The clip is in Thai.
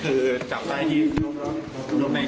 พี่ขอโทษกว่าไม่ได้พี่ขอโทษกว่าไม่ได้